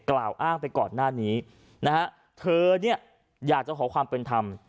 กล่าวอ้างไปก่อนหน้านี้นะฮะเธอเนี่ยอยากจะขอความเป็นธรรม